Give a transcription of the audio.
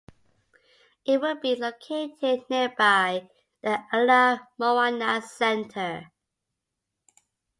It will be located nearby the Ala Moana Center.